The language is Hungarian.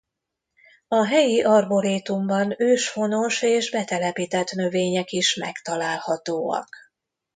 A helyi arborétumban őshonos és betelepített növények is megtalálhatóak.